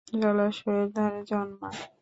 জলাশয়ের ধারে জন্মায়।